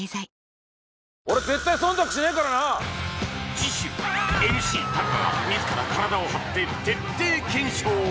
次週ＭＣタカが自ら体を張って徹底検証